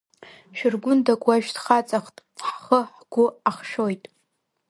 Шәаргәндак уажә дхаҵахт, ҳхы-ҳгәы ахшәоит.